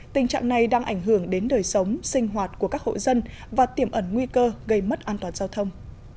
tình trạng này đang ảnh hưởng đến đời sống sinh hoạt của các hộ dân và tiềm ẩn nguy cơ gây mất an toàn giao thông